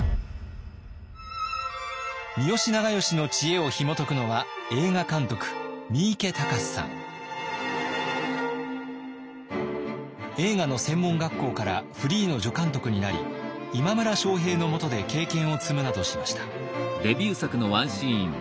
三好長慶の知恵をひもとくのは映画の専門学校からフリーの助監督になり今村昌平のもとで経験を積むなどしました。